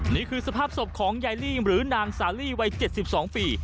นี่คือสภาพศพของยายลี่หรือนางสาลีวัย๗๒ปี